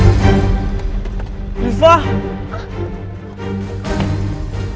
jangan lupa like subscribe dan share ya